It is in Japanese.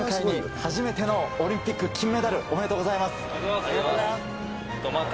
初めてのオリンピック金メダありがとうございます。